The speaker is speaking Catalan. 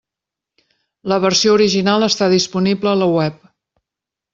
La versió original està disponible a la web.